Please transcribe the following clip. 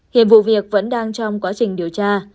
hiện vụ việc vẫn đang trong quá trình điều tra